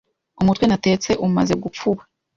Umutwe natetse umaze gupfuba